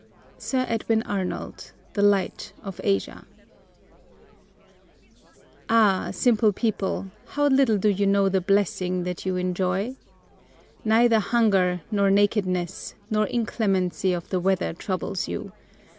SIR EDWIN ARNOLD, The Light of Asia. "Ah, simple people, how little do you know the blessing that you enjoy! Neither hunger, nor nakedness, nor inclemency of the weather troubles you.